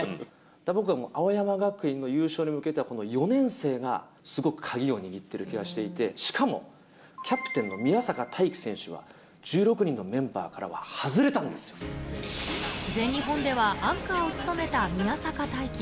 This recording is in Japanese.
僕はもう、青山学院の優勝に向けてこの４年生がすごく鍵を握ってる気がしていて、しかもキャプテンの宮坂大器選手は、１６人のメンバーから全日本ではアンカーを務めた宮坂大器。